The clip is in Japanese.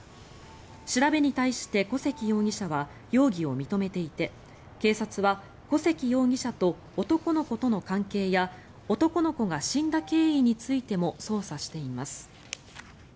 調べに対して小関容疑者は容疑を認めていて警察は小関容疑者と男の子との関係や男の子が死んだ経緯についても捜査しています。